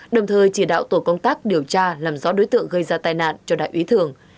đồng thời chỉ đạo tổ công tác điều tra làm rõ đối tượng gây ra tai nạn cho đại úy thường